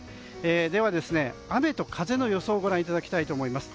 では、雨と風の予想をご覧いただきたいと思います。